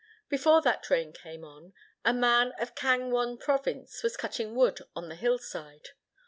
Before that rain came on, a man of Kang won Province was cutting wood on the hill side.